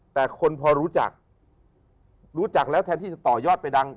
แต่คนพอรู้จักรู้จักแล้วแทนที่จะต่อยอดไปดัง